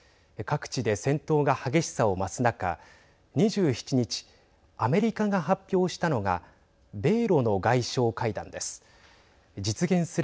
各地で戦闘が激しさを増す中２７日アメリカが発表したのが米ロの外相会談です。